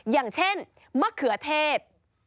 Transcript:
อย่างเช่นมะเขือเทศ